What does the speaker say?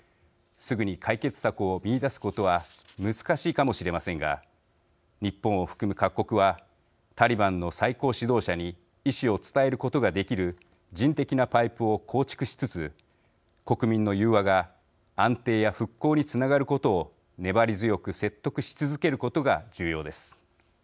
すぐに解決策を見いだすことは難しいかもしれませんが日本を含む各国はタリバンの最高指導者に意思を伝えることができる人的なパイプを構築しつつ国民の融和が安定や復興につながることを粘り強く説得し続けることが重要です。